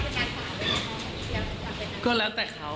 เป็นยาวของเชียวของเขาเป็นยาวของเขา